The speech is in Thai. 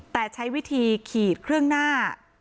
แต่ใช้วิธีขีดเครื่องหน้า